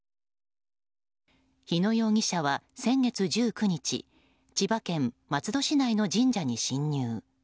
日野容疑者は先月１９日千葉県松戸市内の神社に侵入。